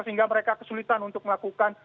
sehingga mereka kesulitan untuk melakukan